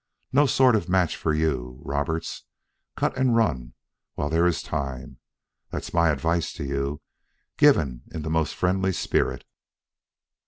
No sort of match for you, Roberts. Cut and run while there is time; that's my advice to you, given in the most friendly spirit."